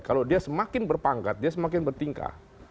kalau dia semakin berpangkat dia semakin bertingkah